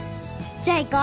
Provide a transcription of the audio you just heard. じゃあ行こ。